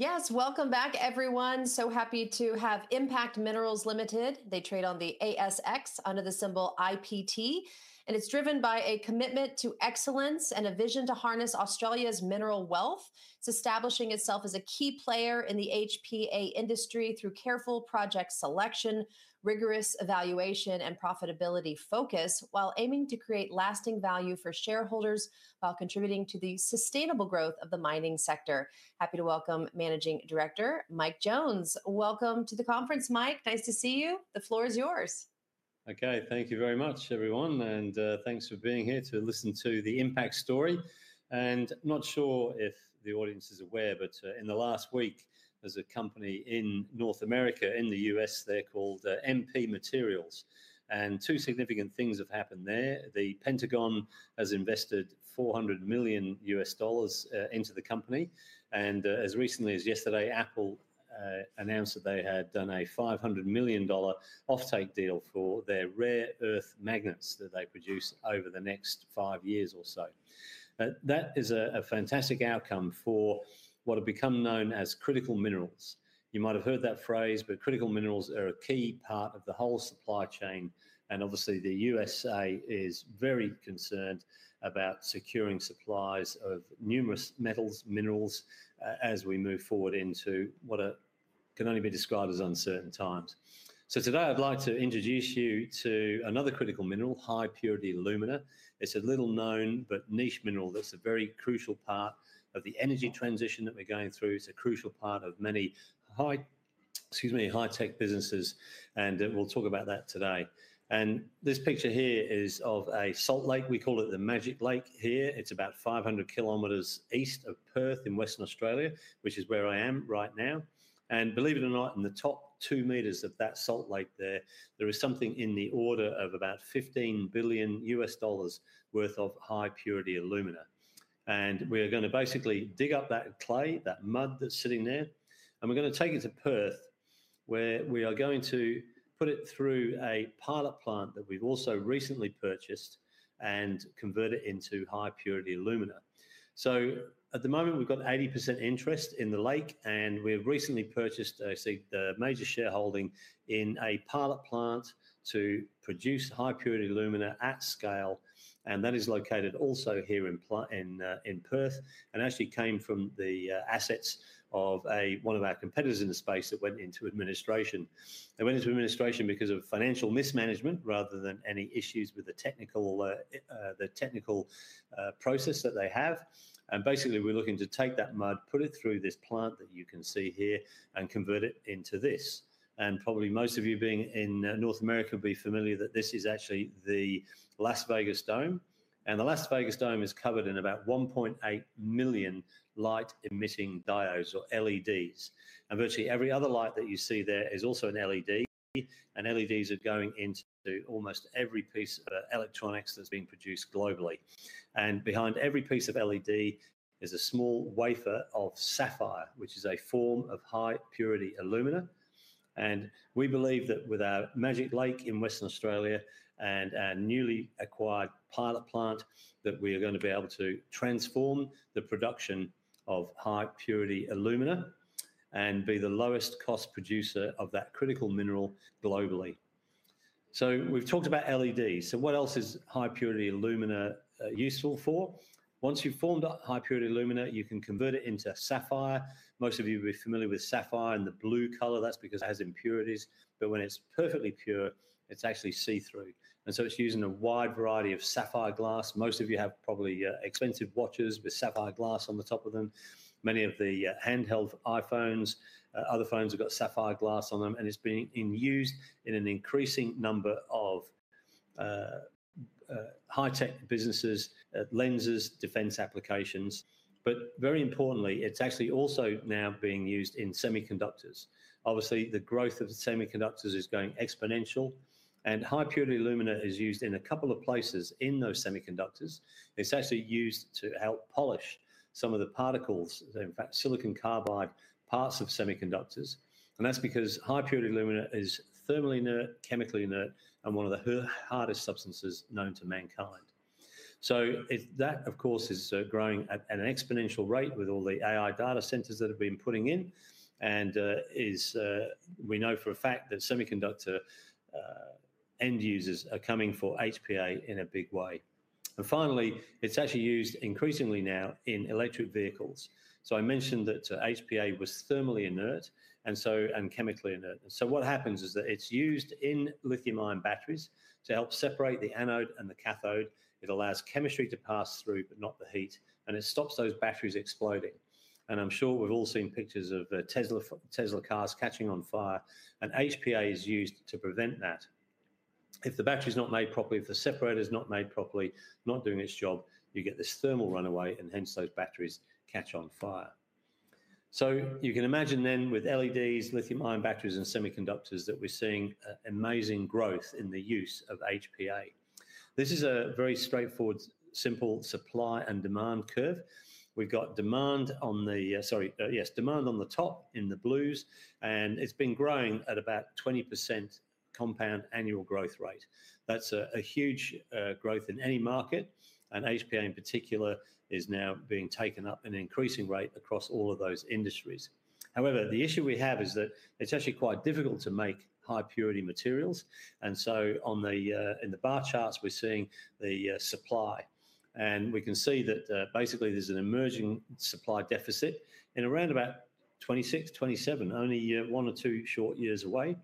Yes, welcome back, everyone. So happy to have Impact Minerals Limited. They trade on the ASX under the symbol IPT, and it's driven by a commitment to excellence and a vision to harness Australia's mineral wealth. It's establishing itself as a key player in the HPA industry through careful project selection, rigorous evaluation, and profitability focus, while aiming to create lasting value for shareholders while contributing to the sustainable growth of the mining sector. Happy to welcome Managing Director, Mike Jones. Welcome to the conference, Mike. Nice to see you. The floor is yours. Okay, thank you very much, everyone, and thanks for being here to listen to the Impact story. I'm not sure if the audience is aware, but in the last week, there's a company in North America, in the U.S., they're called MP Materials. Two significant things have happened there. The Pentagon has invested $400 million into the company, and as recently as yesterday, Apple announced that they had done a $500 million offtake deal for their rare earth magnets that they produce over the next five years or so. That is a fantastic outcome for what have become known as critical minerals. You might have heard that phrase, but critical minerals are a key part of the whole supply chain, and obviously the U.S.A. is very concerned about securing supplies of numerous metals, minerals, as we move forward into what can only be described as uncertain times. Today I'd like to introduce you to another critical mineral, high-purity alumina. It's a little known but niche mineral that's a very crucial part of the energy transition that we're going through. It's a crucial part of many high-tech businesses, and we'll talk about that today. This picture here is of a salt lake. We call it the Magic Lake here. It's about 500 km east of Perth in Western Australia, which is where I am right now. Believe it or not, in the top two meters of that salt lake there, there is something in the order of about $15 billion worth of high-purity alumina. We are going to basically dig up that clay, that mud that's sitting there, and we're going to take it to Perth, where we are going to put it through a pilot plant that we've also recently purchased and convert it into high-purity alumina. At the moment, we've got 80% interest in the lake, and we've recently purchased a major shareholding in a pilot plant to produce high-purity alumina at scale. That is located also here in Perth and actually came from the assets of one of our competitors in the space that went into administration. It went into administration because of financial mismanagement rather than any issues with the technical process that they have. Basically, we're looking to take that mud, put it through this plant that you can see here, and convert it into this. Probably most of you being in North America will be familiar with that this is actually the Las Vegas Dome. The Las Vegas Dome is covered in about 1.8 million light-emitting diodes, or LEDs. Virtually every other light that you see there is also an LED. LEDs are going into almost every piece of electronics that's being produced globally. Behind every piece of LED is a small wafer of sapphire, which is a form of high-purity alumina. We believe that with our Magic Lake in Western Australia and our newly acquired pilot plant, we are going to be able to transform the production of high-purity alumina and be the lowest cost producer of that critical mineral globally. We've talked about LEDs. What else is high-purity alumina useful for? Once you've formed high-purity alumina, you can convert it into sapphire. Most of you will be familiar with sapphire and the blue color. That's because it has impurities, but when it's perfectly pure, it's actually see-through. It's used in a wide variety of sapphire glass. Most of you have probably expensive watches with sapphire glass on the top of them. Many of the handheld iPhones and other phones have got sapphire glass on them, and it's being used in an increasing number of high-tech businesses, lenses, and defense applications. Very importantly, it's actually also now being used in semiconductors. Obviously, the growth of semiconductors is going exponential, and high-purity alumina is used in a couple of places in those semiconductors. It's actually used to help polish some of the particles, in fact, silicon carbide, parts of semiconductors. That's because high-purity alumina is thermally inert, chemically inert, and one of the hardest substances known to mankind. That, of course, is growing at an exponential rate with all the AI data centers that have been putting in. We know for a fact that semiconductor end users are coming for HPA in a big way. Finally, it's actually used increasingly now in electric vehicles. I mentioned that HPA was thermally inert and chemically inert. What happens is that it's used in lithium-ion batteries to help separate the anode and the cathode. It allows chemistry to pass through, but not the heat, and it stops those batteries exploding. I'm sure we've all seen pictures of Tesla cars catching on fire, and HPA is used to prevent that. If the battery is not made properly, if the separator is not made properly, not doing its job, you get this thermal runaway, and hence those batteries catch on fire. You can imagine then with LEDs, lithium-ion batteries, and semiconductors that we're seeing amazing growth in the use of HPA. This is a very straightforward, simple supply and demand curve. We've got demand on the top in the blues, and it's been growing at about 20% compound annual growth rate. That's a huge growth in any market, and HPA in particular is now being taken up at an increasing rate across all of those industries. However, the issue we have is that it's actually quite difficult to make high-purity materials. In the bar charts, we're seeing the supply, and we can see that basically there's an emerging supply deficit in around about 2026, 2027, only one or two short years away.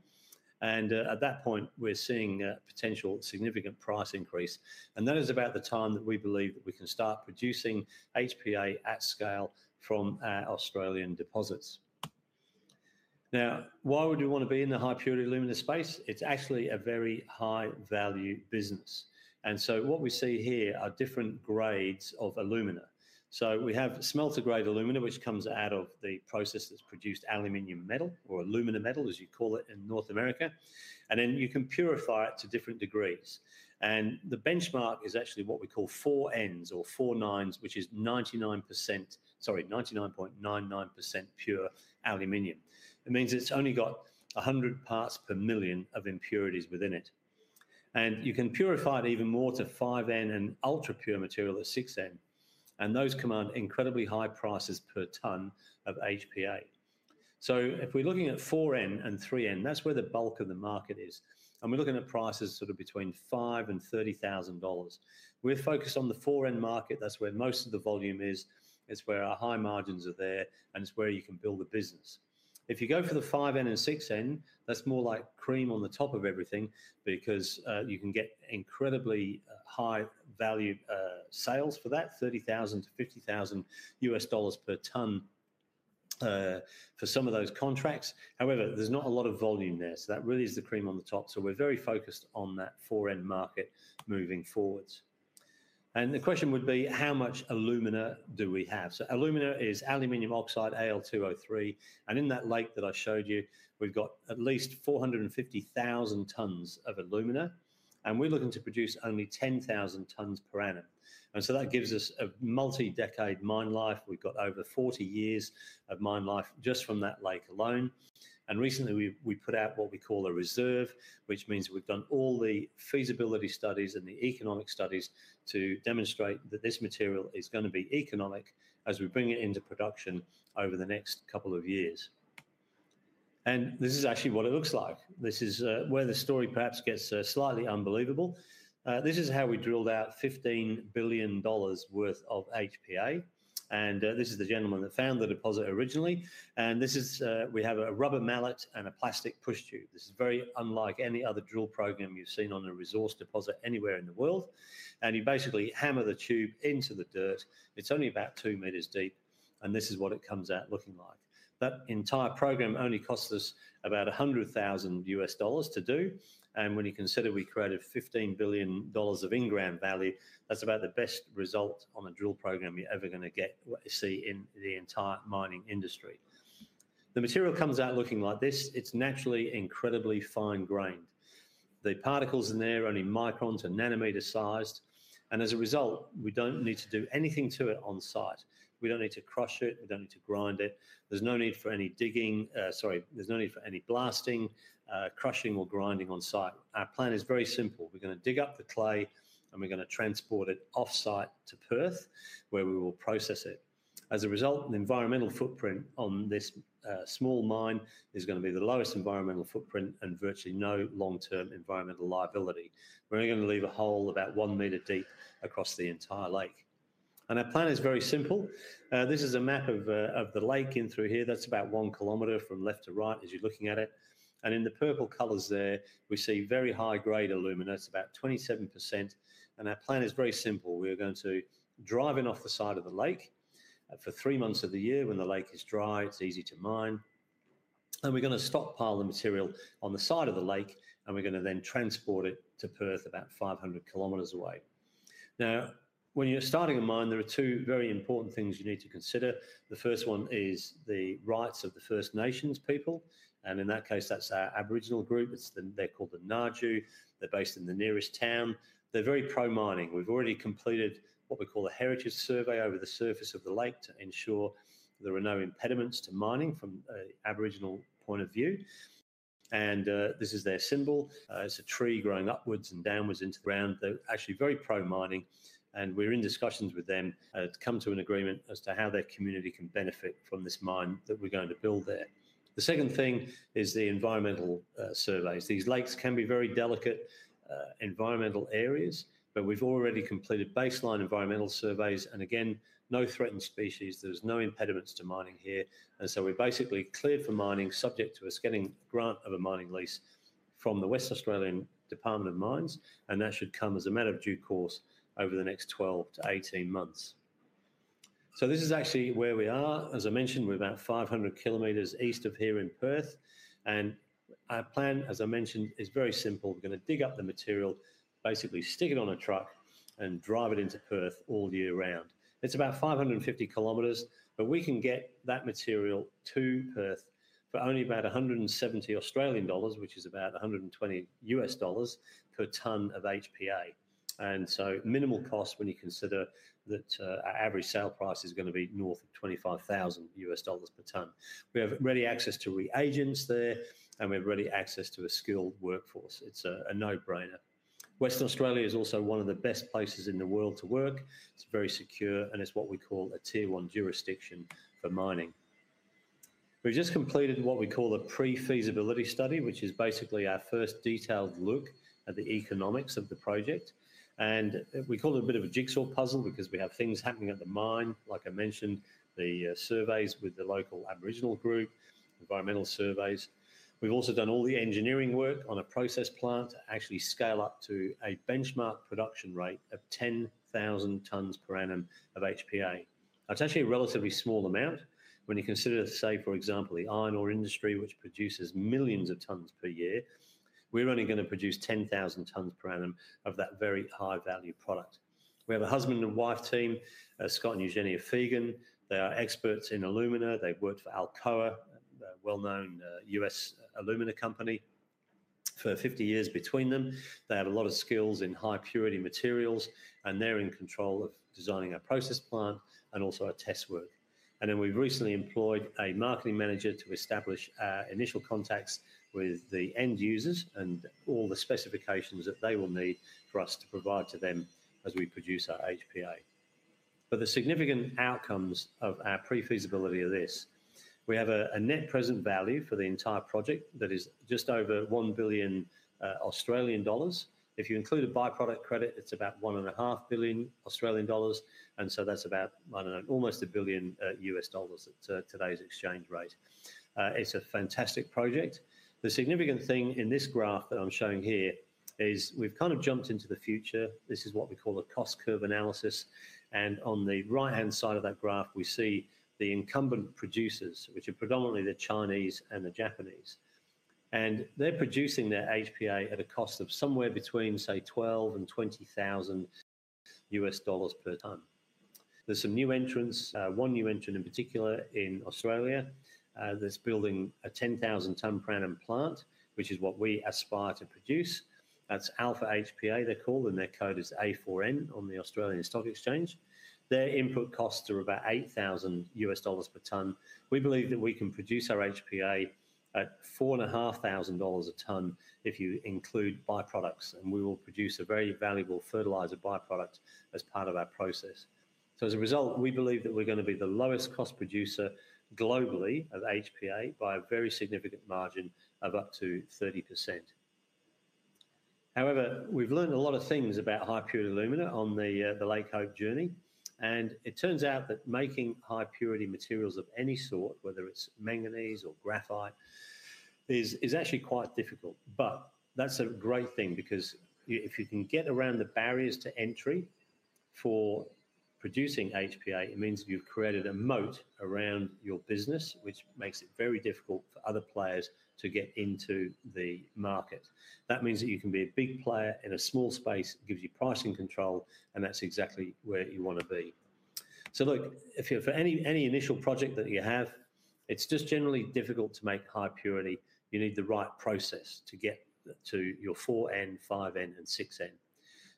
At that point, we're seeing a potential significant price increase. That is about the time that we believe that we can start producing HPA at scale from our Australian deposits. Now, why would we want to be in the high-purity alumina space? It's actually a very high-value business. What we see here are different grades of alumina. We have smelter-grade alumina, which comes out of the process that's produced aluminum metal, or alumina metal, as you call it in North America. Then you can purify it to different degrees. The benchmark is actually what we call 4Ns or 4Nines, which is 99.99% pure aluminum. It means it's only got 100 parts per million of impurities within it. You can purify it even more to 5N and ultra-pure material at 6N. Those command incredibly high prices per ton of HPA. If we're looking at 4N and 3N, that's where the bulk of the market is. We're looking at prices sort of between $5,000 and $30,000. We're focused on the 4N market. That's where most of the volume is. It's where our high margins are, and it's where you can build a business. If you go for the 5N and 6N, that's more like cream on the top of everything because you can get incredibly high-value sales for that, $30,000-$50,000 per ton for some of those contracts. However, there's not a lot of volume there. That really is the cream on the top. We're very focused on that 4N market moving forwards. The question would be, how much alumina do we have? Alumina is aluminum oxide, Al2O3. In that lake that I showed you, we've got at least 450,000 tons of alumina. We're looking to produce only 10,000 tons per annum. That gives us a multi-decade mine life. We've got over 40 years of mine life just from that lake alone. Recently, we put out what we call a reserve, which means we've done all the feasibility studies and the economic studies to demonstrate that this material is going to be economic as we bring it into production over the next couple of years. This is actually what it looks like. This is where the story perhaps gets slightly unbelievable. This is how we drilled out $15 billion worth of HPA. This is the gentleman that found the deposit originally. We have a rubber mallet and a plastic push tube. This is very unlike any other drill program you've seen on a resource deposit anywhere in the world. You basically hammer the tube into the dirt. It's only about two meters deep. This is what it comes out looking like. That entire program only cost us about $100,000 to do. When you consider we created $15 billion of in-ground value, that's about the best result on a drill program you're ever going to get in the entire mining industry. The material comes out looking like this. It's naturally incredibly fine-grained. The particles in there are only microns and nanometers sized. As a result, we don't need to do anything to it on site. We don't need to crush it. We don't need to grind it. There's no need for any blasting, crushing, or grinding on site. Our plan is very simple. We're going to dig up the clay, and we're going to transport it offsite to Perth, where we will process it. As a result, the environmental footprint on this small mine is going to be the lowest environmental footprint and virtually no long-term environmental liability. We're only going to leave a hole about one meter deep across the entire lake. Our plan is very simple. This is a map of the lake in through here. That's about 1 km from left to right as you're looking at it. In the purple colors there, we see very high-grade alumina. It's about 27%. Our plan is very simple. We are going to drive it off the side of the lake for three months of the year. When the lake is dry, it's easy to mine. We're going to stockpile the material on the side of the lake, and we're going to then transport it to Perth about 500 km away. When you're starting a mine, there are two very important things you need to consider. The first one is the rights of the First Nations people. In that case, that's our Aboriginal group. They're called the Naju. They're based in the nearest town. They're very pro-mining. We've already completed what we call the heritage survey over the surface of the lake to ensure there are no impediments to mining from an Aboriginal point of view. This is their symbol. It's a tree growing upwards and downwards into the ground. They're actually very pro-mining. We're in discussions with them to come to an agreement as to how their community can benefit from this mine that we're going to build there. The second thing is the environmental surveys. These lakes can be very delicate environmental areas, but we've already completed baseline environmental surveys. Again, no threatened species. There's no impediments to mining here. We're basically cleared for mining, subject to us getting a grant of a mining lease from the West Australian Department of Mines. That should come as a matter of due course over the next 12 months-18 months. This is actually where we are. As I mentioned, we're about 500 km east of here in Perth. Our plan, as I mentioned, is very simple. We're going to dig up the material, basically stick it on a truck, and drive it into Perth all year round. It's about 550 km, but we can get that material to Perth for only about 170 Australian dollars, which is about $120 per ton of HPA. Minimal cost when you consider that our average sale price is going to be north of $25,000 per ton. We have ready access to reagents there, and we have ready access to a skilled workforce. It's a no-brainer. Western Australia is also one of the best places in the world to work. It's very secure, and it's what we call a tier one jurisdiction for mining. We've just completed what we call the pre-feasibility study, which is basically our first detailed look at the economics of the project. We call it a bit of a jigsaw puzzle because we have things happening at the mine, like I mentioned, the surveys with the local Aboriginal group, environmental surveys. We've also done all the engineering work on a process plant to actually scale up to a benchmark production rate of 10,000 tons per annum of HPA. That's actually a relatively small amount when you consider, say, for example, the iron ore industry, which produces millions of tons per year. We're only going to produce 10,000 tons per annum of that very high-value product. We have a husband and wife team, Scott and Eugenia Fegan. They are experts in alumina. They've worked for Alcoa, a well-known U.S. alumina company, for 50 years between them. They have a lot of skills in high-purity materials, and they're in control of designing our process plant and also our test work. We've recently employed a Marketing Manager to establish our initial contacts with the end users and all the specifications that they will need for us to provide to them as we produce our HPA. The significant outcomes of our pre-feasibility are this. We have a net present value for the entire project that is just over 1 billion Australian dollars. If you include a byproduct credit, it's about 1.5 billion Australian dollars. That's about almost $1 billion US dollars at today's exchange rate. It's a fantastic project. The significant thing in this graph that I'm showing here is we've kind of jumped into the future. This is what we call a cost curve analysis. On the right-hand side of that graph, we see the incumbent producers, which are predominantly the Chinese and the Japanese. They're producing their HPA at a cost of somewhere between, say, $12,000 and $20,000 US dollars per ton. There are some new entrants, one new entrant in particular in Australia, that's building a 10,000-ton per annum plant, which is what we aspire to produce. That's Alpha HPA, they're called, and their code is A4N on the Australian Stock Exchange. Their input costs are about $8,000 US dollars per ton. We believe that we can produce our HPA at $4,500 a ton if you include byproducts, and we will produce a very valuable fertilizer byproduct as part of our process. As a result, we believe that we're going to be the lowest cost producer globally of HPA by a very significant margin of up to 30%. However, we've learned a lot of things about high-purity alumina on the Lake Hope journey. It turns out that making high-purity materials of any sort, whether it's manganese or graphite, is actually quite difficult. That is a great thing because if you can get around the barriers to entry for producing HPA, it means you've created a moat around your business, which makes it very difficult for other players to get into the market. That means that you can be a big player in a small space. It gives you pricing control, and that's exactly where you want to be. If you're for any initial project that you have, it's just generally difficult to make high-purity. You need the right process to get to your 4N, 5N, and 6N.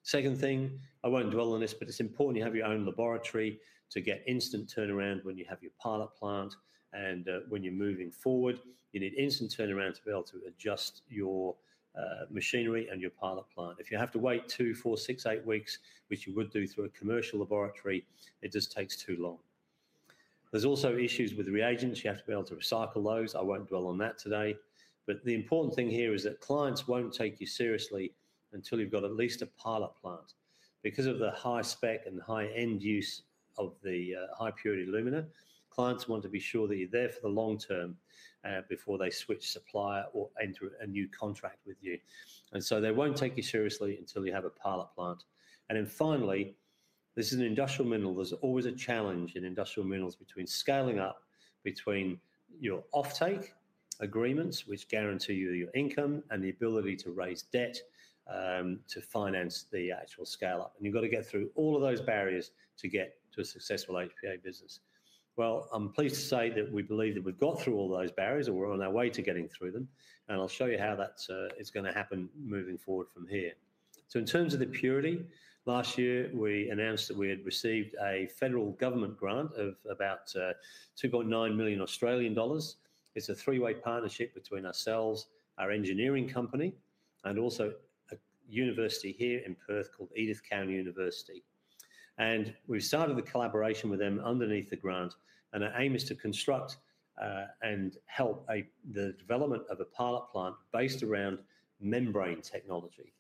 Second thing, I won't dwell on this, but it's important you have your own laboratory to get instant turnaround when you have your pilot plant. When you're moving forward, you need instant turnaround to be able to adjust your machinery and your pilot plant. If you have to wait two, four, six, eight weeks, which you would do through a commercial laboratory, it just takes too long. There's also issues with reagents. You have to be able to recycle those. I won't dwell on that today. The important thing here is that clients won't take you seriously until you've got at least a pilot plant. Because of the high spec and the high end use of the high-purity alumina, clients want to be sure that you're there for the long term before they switch supplier or enter a new contract with you. They won't take you seriously until you have a pilot plant. Finally, this is an industrial mineral. There's always a challenge in industrial minerals between scaling up, between your offtake agreements, which guarantee you your income, and the ability to raise debt to finance the actual scale-up. You've got to go through all of those barriers to get to a successful HPA business. I'm pleased to say that we believe that we've got through all of those barriers and we're on our way to getting through them. I'll show you how that is going to happen moving forward from here. In terms of the purity, last year we announced that we had received a federal government grant of about 2.9 million Australian dollars. It's a three-way partnership between ourselves, our engineering company, and also a university here in Perth called Edith Cowan University. We've started the collaboration with them underneath the grant. Our aim is to construct and help the development of a pilot plant based around membrane technology.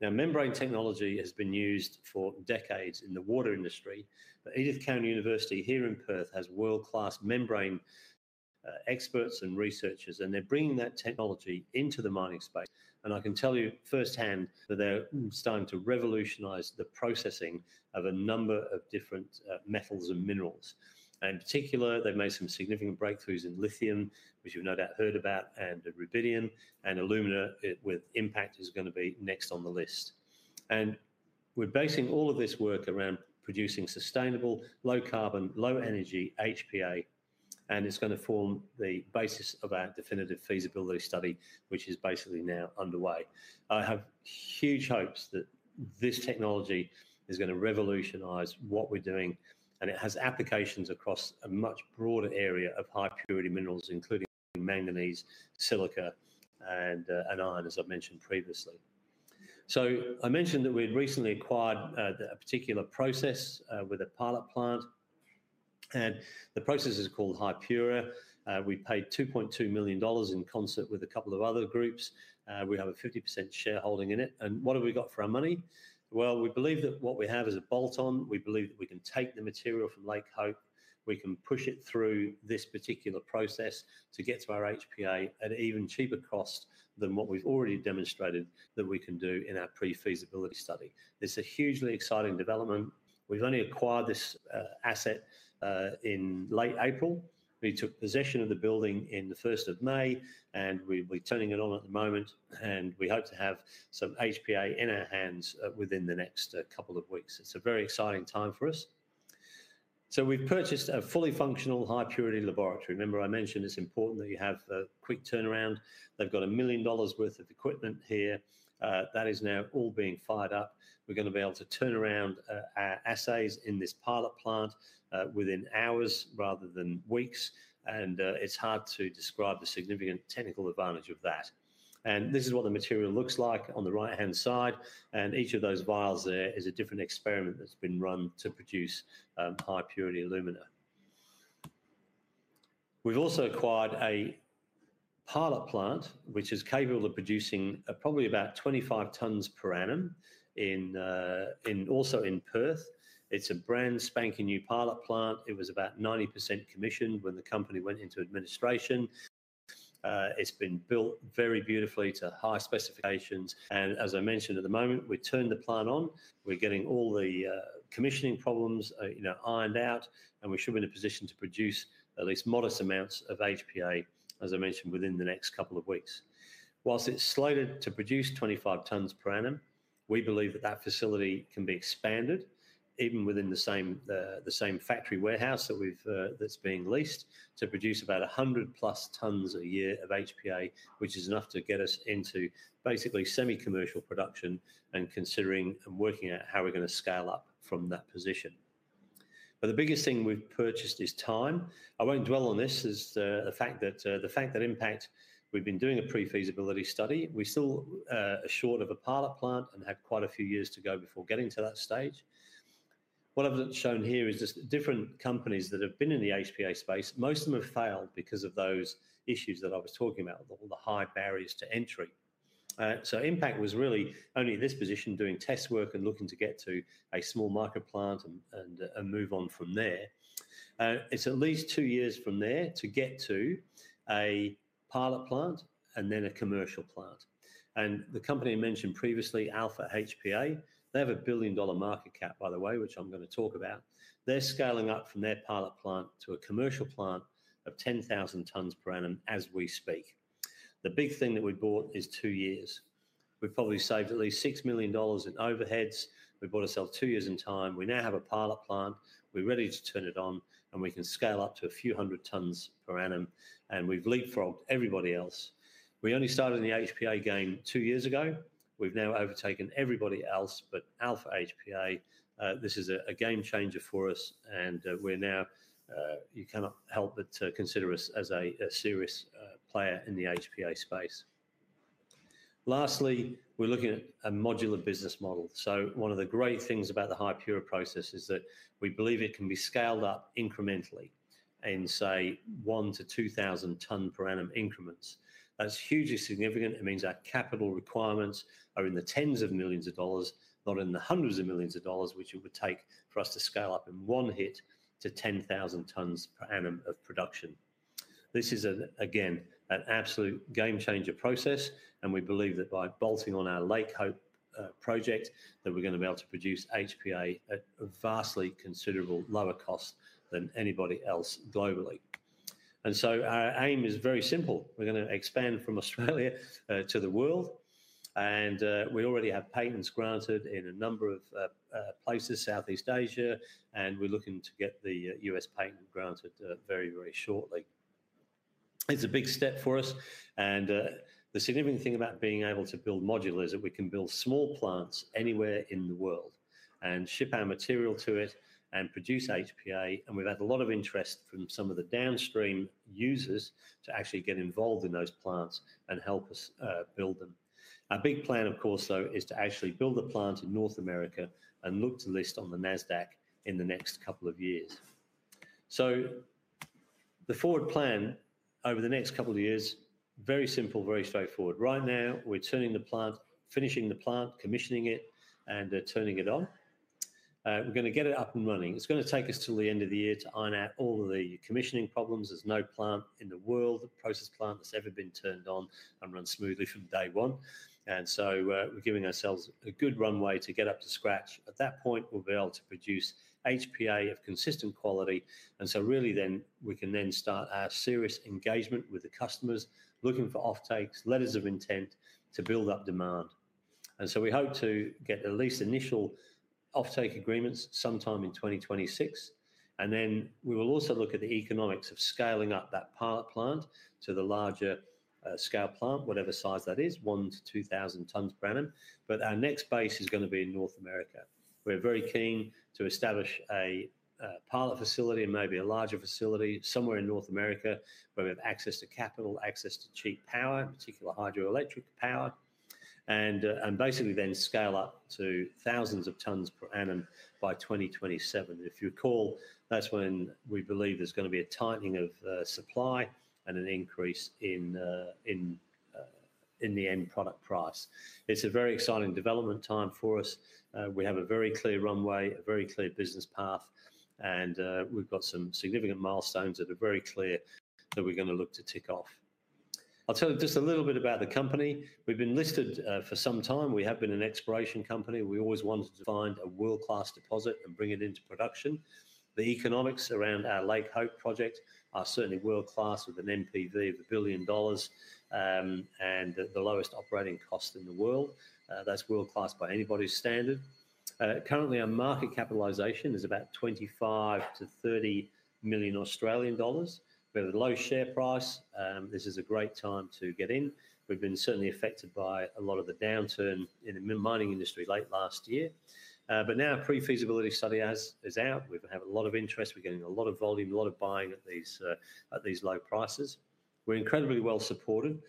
Membrane technology has been used for decades in the water industry. Edith Cowan University here in Perth has world-class membrane experts and researchers, and they're bringing that technology into the mining space. I can tell you firsthand that they're starting to revolutionize the processing of a number of different metals and minerals. In particular, they've made some significant breakthroughs in lithium, which you've no doubt heard about, and rubidium. Alumina, with Impact, is going to be next on the list. We're basing all of this work around producing sustainable, low-carbon, low-energy HPA. It's going to form the basis of our definitive feasibility study, which is basically now underway. I have huge hopes that this technology is going to revolutionize what we're doing, and it has applications across a much broader area of high-purity minerals, including manganese, silica, and iron, as I've mentioned previously. I mentioned that we'd recently acquired a particular process with a pilot plant. The process is called HiPurA. We paid $2.2 million in concert with a couple of other groups. We have a 50% shareholding in it. What have we got for our money? We believe that what we have is a bolt-on. We believe that we can take the material from Lake Hope and push it through this particular process to get to our HPA at an even cheaper cost than what we've already demonstrated that we can do in our pre-feasibility study. It's a hugely exciting development. We've only acquired this asset in late April. We took possession of the building on 1st of May, and we're turning it on at the moment. We hope to have some HPA in our hands within the next couple of weeks. It's a very exciting time for us. We've purchased a fully functional high-purity laboratory. Remember, I mentioned it's important that you have a quick turnaround. They've got $1 million worth of equipment here. That is now all being fired up. We're going to be able to turn around our assays in this pilot plant within hours rather than weeks. It's hard to describe the significant technical advantage of that. This is what the material looks like on the right-hand side. Each of those vials there is a different experiment that's been run to produce high-purity alumina. We've also acquired a pilot plant, which is capable of producing probably about 25 tons per annum, also in Perth. It's a brand spanking new pilot plant. It was about 90% commissioned when the company went into administration. It's been built very beautifully to high specifications. At the moment, we turned the plant on. We're getting all the commissioning problems ironed out, and we should be in a position to produce at least modest amounts of HPA, as I mentioned, within the next couple of weeks. Whilst it's slated to produce 25 tons per annum, we believe that that facility can be expanded even within the same factory warehouse that's being leased to produce about 100+ tons a year of HPA, which is enough to get us into basically semi-commercial production and considering and working out how we're going to scale up from that position. The biggest thing we've purchased is time. I won't dwell on this, is the fact that Impact, we've been doing a pre-feasibility study. We're still short of a pilot plant and have quite a few years to go before getting to that stage. What I've shown here is just different companies that have been in the HPA space. Most of them have failed because of those issues that I was talking about, all the high barriers to entry. Impact was really only in this position doing test work and looking to get to a small market plant and move on from there. It's at least two years from there to get to a pilot plant and then a commercial plant. The company I mentioned previously, Alpha HPA, they have $1 billion market cap, by the way, which I'm going to talk about. They're scaling up from their pilot plant to a commercial plant of 10,000 tons per annum as we speak. The big thing that we bought is two years. We've probably saved at least $6 million in overheads. We bought ourselves two years in time. We now have a pilot plant. We're ready to turn it on, and we can scale up to a few hundred tons per annum. We've leapfrogged everybody else. We only started in the HPA game two years ago. We've now overtaken everybody else, but Alpha HPA, this is a game changer for us. We're now, you cannot help but consider us as a serious player in the HPA space. Lastly, we're looking at a modular business model. One of the great things about the HiPurA process is that we believe it can be scaled up incrementally in, say, 1,000 ton-2,000 ton per annum increments. That's hugely significant. It means our capital requirements are in the tens of millions of dollars, not in the hundreds of millions of dollars, which it would take for us to scale up in one hit to 10,000 tons per annum of production. This is, again, an absolute game-changer process. We believe that by bolting on our Lake Hope project, we're going to be able to produce HPA at a vastly considerable lower cost than anybody else globally. Our aim is very simple. We're going to expand from Australia to the world. We already have patents granted in a number of places, Southeast Asia, and we're looking to get the U.S. patent granted very, very shortly. It's a big step for us. The significant thing about being able to build modular is that we can build small plants anywhere in the world and ship our material to it and produce HPA. We've had a lot of interest from some of the downstream users to actually get involved in those plants and help us build them. Our big plan, of course, is to actually build the plant in North America and look to list on the NASDAQ in the next couple of years. The forward plan over the next couple of years is very simple, very straightforward. Right now, we're turning the plant, finishing the plant, commissioning it, and turning it on. We're going to get it up and running. It's going to take us till the end of the year to iron out all of the commissioning problems. There's no plant in the world, a process plant that's ever been turned on and run smoothly from day one. We're giving ourselves a good runway to get up to scratch. At that point, we'll be able to produce HPA of consistent quality. Then we can start our serious engagement with the customers, looking for offtakes, letters of intent to build up demand. We hope to get at least initial offtake agreements sometime in 2026. We will also look at the economics of scaling up that pilot plant to the larger scale plant, whatever size that is, 1,000 tons-2,000 tons per annum. Our next base is going to be in North America. We're very keen to establish a pilot facility and maybe a larger facility somewhere in North America where we have access to capital, access to cheap power, particularly hydroelectric power, and basically then scale up to thousands of tons per annum by 2027. If you recall, that's when we believe there's going to be a tightening of supply and an increase in the end product price. It's a very exciting development time for us. We have a very clear runway, a very clear business path, and we've got some significant milestones that are very clear that we're going to look to tick off. I'll tell you just a little bit about the company. We've been listed for some time. We have been an exploration company. We always wanted to find a world-class deposit and bring it into production. The economics around our Lake Hope project are certainly world-class with an NPV of $1 billion and the lowest operating cost in the world. That's world-class by anybody's standard. Currently, our market capitalization is about 25 million-30 million Australian dollars. We have a low share price. This is a great time to get in. We've been certainly affected by a lot of the downturn in the mining industry late last year. Now, pre-feasibility study is out. We have a lot of interest. We're getting a lot of volume, a lot of buying at these low prices. We're incredibly well supported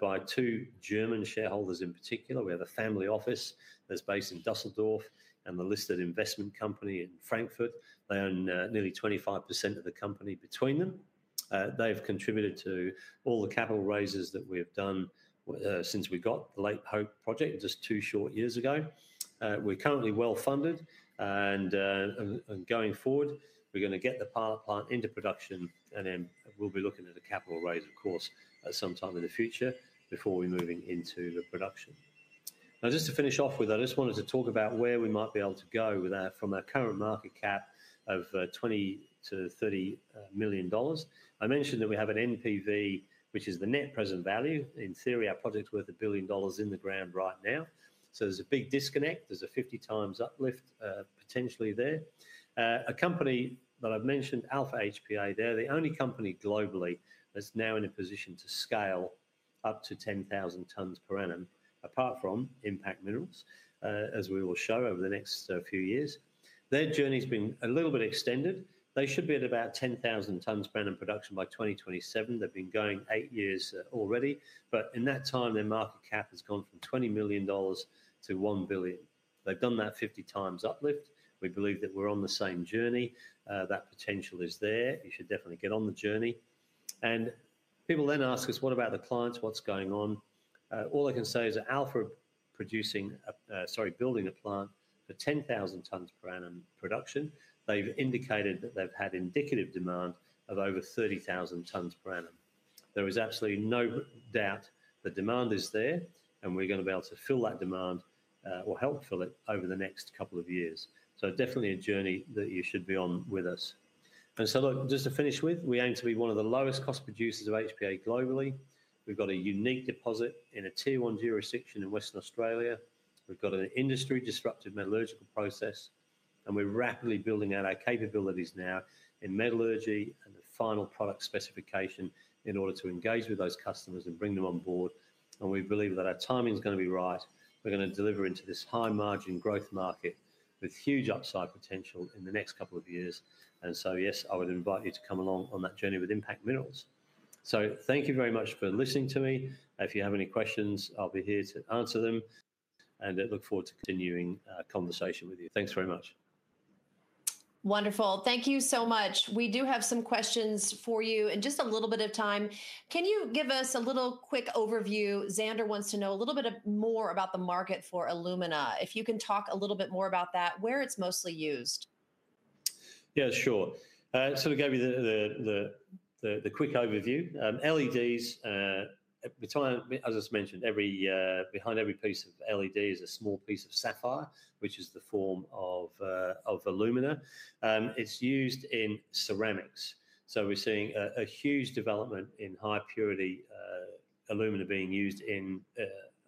by two German shareholders in particular. We have a family office that's based in Düsseldorf and the listed investment company in Frankfurt. They own nearly 25% of the company between them. They have contributed to all the capital raises that we have done since we got the Lake Hope project just two short years ago. We're currently well funded, and going forward, we're going to get the pilot plant into production, and then we'll be looking at a capital raise, of course, at some time in the future before we're moving into production. Now, just to finish off with, I just wanted to talk about where we might be able to go with that from our current market cap of $20 million-$30 million. I mentioned that we have an NPV, which is the net present value. In theory, our project's worth $1 billion in the ground right now. There's a big disconnect. There's a 50x uplift potentially there. A company that I've mentioned, Alpha HPA, they're the only company globally that's now in a position to scale up to 10,000 tons per annum, apart from Impact Minerals, as we will show over the next few years. Their journey's been a little bit extended. They should be at about 10,000 tons per annum production by 2027. They've been going eight years already, but in that time, their market cap has gone from $20 million to $1 billion. They've done that 50x uplift. We believe that we're on the same journey. That potential is there. You should definitely get on the journey. People then ask us, what about the clients? What's going on? All I can say is that Alpha is producing, sorry, building a plant for 10,000 tons per annum production. They've indicated that they've had indicative demand of over 30,000 tons per annum. There is absolutely no doubt that demand is there, and we're going to be able to fill that demand or help fill it over the next couple of years. It is definitely a journey that you should be on with us. Just to finish with, we aim to be one of the lowest cost producers of HPA globally. We have a unique deposit in a tier one jurisdiction in Western Australia. We have an industry-disruptive metallurgical process, and we are rapidly building out our capabilities now in metallurgy and the final product specification in order to engage with those customers and bring them on board. We believe that our timing is going to be right. We are going to deliver into this high-margin growth market with huge upside potential in the next couple of years. I would invite you to come along on that journey with Impact Minerals. Thank you very much for listening to me. If you have any questions, I will be here to answer them. I look forward to continuing our conversation with you. Thanks very much. Wonderful. Thank you so much. We do have some questions for you in just a little bit of time. Can you give us a little quick overview? Xander wants to know a little bit more about the market for alumina. If you can talk a little bit more about that, where it's mostly used. Yeah, sure. To give you the quick overview, LEDs, as I mentioned, behind every piece of LED is a small piece of sapphire, which is the form of alumina. It's used in ceramics. We're seeing a huge development in high-purity alumina being used in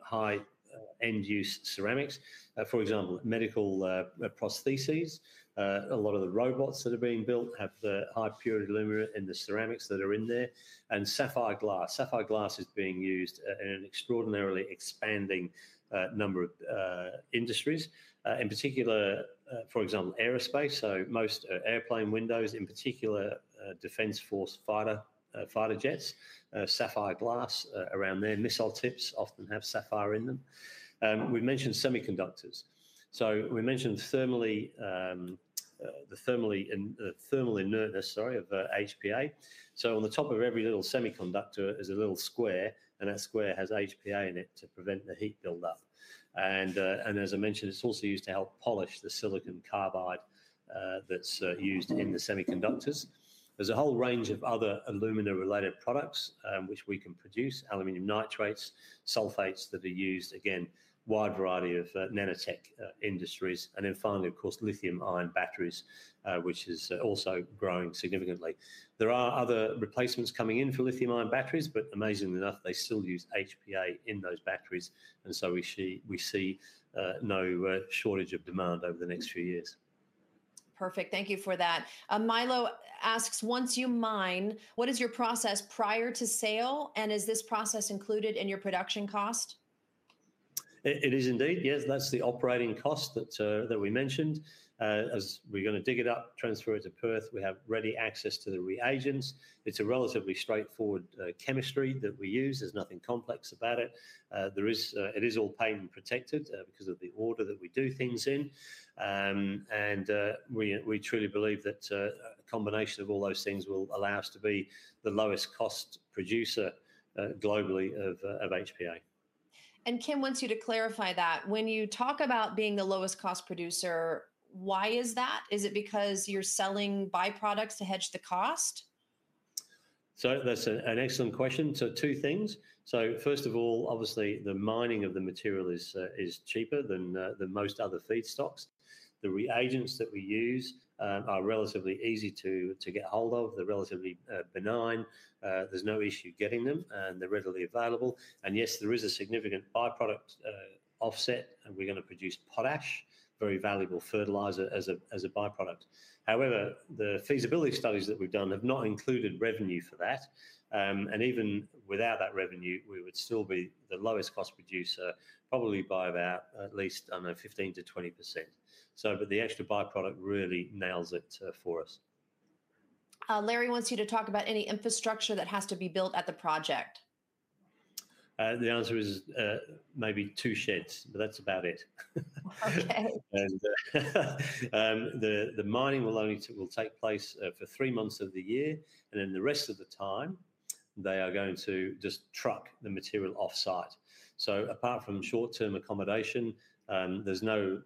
high-end use ceramics. For example, medical prostheses, a lot of the robots that are being built have the high-purity alumina in the ceramics that are in there. Sapphire glass is being used in an extraordinarily expanding number of industries. In particular, for example, aerospace. Most airplane windows, in particular, defense force fighter jets, have sapphire glass around there. Missile tips often have sapphire in them. We've mentioned semiconductors. We mentioned the thermal inertness, sorry, of HPA. On the top of every little semiconductor is a little square, and that square has HPA in it to prevent the heat buildup. It's also used to help polish the silicon carbide that's used in the semiconductors. There's a whole range of other alumina-related products which we can produce: aluminum nitrates, sulfates that are used again, a wide variety of nanotech industries. Finally, of course, lithium-ion batteries, which is also growing significantly. There are other replacements coming in for lithium-ion batteries, but amazingly enough, they still use HPA in those batteries. We see no shortage of demand over the next few years. Perfect. Thank you for that. Milo asks, once you mine, what is your process prior to sale? Is this process included in your production cost? It is indeed. Yes, that's the operating cost that we mentioned. As we're going to dig it up, transfer it to Perth, we have ready access to the reagents. It's a relatively straightforward chemistry that we use. There's nothing complex about it. It is all patent protected because of the order that we do things in. We truly believe that a combination of all those things will allow us to be the lowest cost producer globally of HPA. Kim wants you to clarify that. When you talk about being the lowest cost producer, why is that? Is it because you're selling byproducts to hedge the cost? That's an excellent question. Two things. First of all, obviously, the mining of the material is cheaper than most other feedstocks. The reagents that we use are relatively easy to get a hold of. They're relatively benign. There's no issue getting them, and they're readily available. Yes, there is a significant byproduct offset. We're going to produce potash, a very valuable fertilizer, as a byproduct. However, the feasibility studies that we've done have not included revenue for that. Even without that revenue, we would still be the lowest cost producer, probably by at least 15%-20%. The extra byproduct really nails it for us. Larry wants you to talk about any infrastructure that has to be built at the project. The answer is maybe two sheds, but that's about it. Okay. The mining will only take place for three months of the year, and the rest of the time, they are going to just truck the material offsite. Apart from short-term accommodation, there's no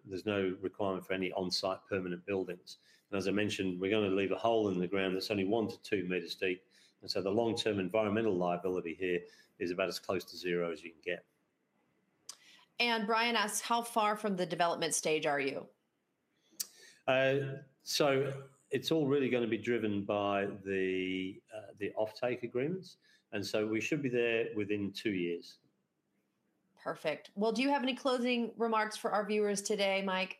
requirement for any onsite permanent buildings. As I mentioned, we're going to leave a hole in the ground that's only one to two meters deep, and the long-term environmental liability here is about as close to zero as you can get. Brian asks, how far from the development stage are you? It is all really going to be driven by the offtake agreements, and we should be there within two years. Perfect. Do you have any closing remarks for our viewers today, Mike?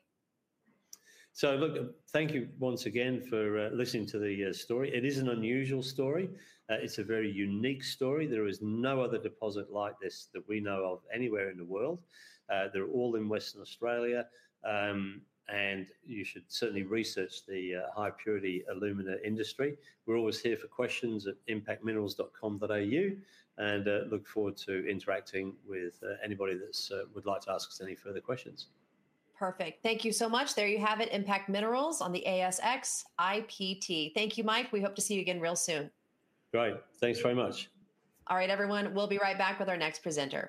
Thank you once again for listening to the story. It is an unusual story. It's a very unique story. There is no other deposit like this that we know of anywhere in the world. They're all in Western Australia. You should certainly research the high-purity alumina industry. We're always here for questions at impactminerals.com.au and look forward to interacting with anybody that would like to ask us any further questions. Perfect. Thank you so much. There you have it, Impact Minerals on the ASX: IPT. Thank you, Mike. We hope to see you again real soon. Great, thanks very much. All right, everyone. We'll be right back with our next presenter.